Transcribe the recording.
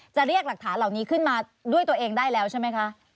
จะเรียกหลักฐานเหล่านี้ขึ้นมาด้วยตัวเองได้แล้วใช่ไหมคะ